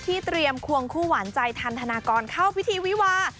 เตรียมควงคู่หวานใจทันธนากรเข้าพิธีวิวา